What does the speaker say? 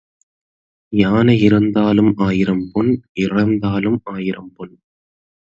யானை இருந்தாலும் ஆயிரம் பொன், இறந்தாலும் ஆயிரம் பொன்.